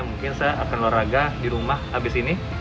mungkin saya akan olahraga di rumah habis ini